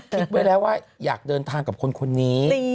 คิดไว้แล้วว่าอยากเดินทางกับคนนี้